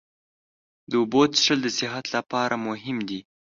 د اوبو څښل د صحت لپاره مهم دي.